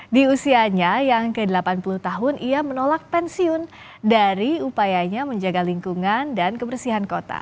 di usianya yang ke delapan puluh tahun ia menolak pensiun dari upayanya menjaga lingkungan dan kebersihan kota